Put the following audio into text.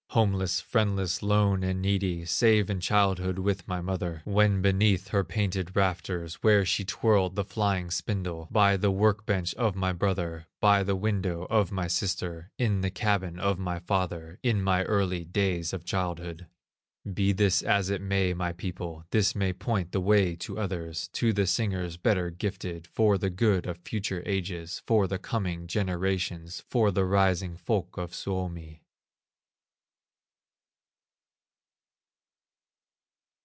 Homeless, friendless, lone, and needy, Save in childhood with my mother, When beneath her painted rafters, Where she twirled the flying spindle, By the work bench of my brother, By the window of my sister, In the cabin of my father, In my early days of childhood. Be this as it may, my people, This may point the way to others, To the singers better gifted, For the good of future ages, For the coming generations, For the rising folk of Suomi.